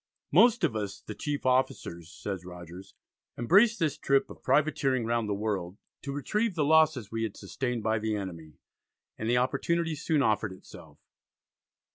"Most of us, the chief officers," says Rogers, "embraced this trip of privateering round the world, to retrieve the losses we had sustained by the enemy," and the opportunity soon offered itself.